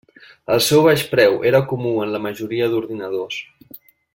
El seu baix preu era comú en la majoria d'ordinadors.